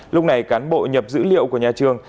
lúc này cán bộ nhập dữ liệu của nhà trường